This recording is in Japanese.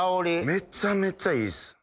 めちゃめちゃいいっす。